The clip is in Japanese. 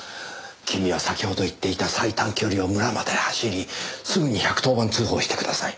君は先ほど言っていた最短距離を村まで走りすぐに１１０番通報してください。